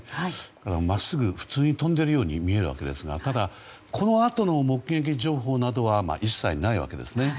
真っすぐ普通に飛んでいるように見えるわけですがただこのあとの目撃情報などは一切ないわけですね。